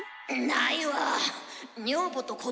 ないわ。